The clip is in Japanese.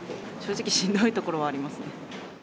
正直、しんどいところはありますね。